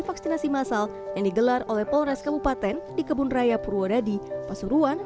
vaksinasi masal yang digelar oleh polres kabupaten di kebun raya purwodadi pasuruan